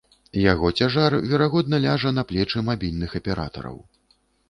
Яго цяжар верагодна ляжа на плечы мабільных аператараў.